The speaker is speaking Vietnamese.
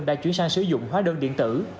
đã chuyển sang sử dụng hóa đơn điện tử